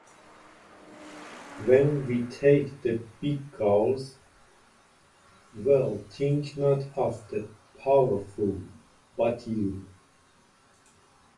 When we take the big calls, we'll think not of the powerful, but you.